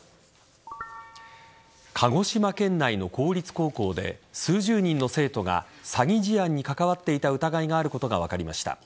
鹿児島県内の公立高校で数十人の生徒が詐欺事案に関わっていた疑いがあることが分かりました。